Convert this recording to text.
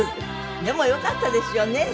でもよかったですよね